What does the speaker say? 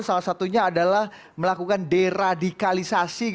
salah satunya adalah melakukan deradikalisasi